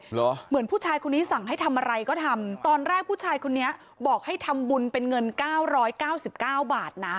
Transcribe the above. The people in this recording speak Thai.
เหมือนผู้ชายคนนี้สั่งให้ทำอะไรก็ทำตอนแรกผู้ชายคนนี้บอกให้ทำบุญเป็นเงินเก้าร้อยเก้าสิบเก้าบาทนะ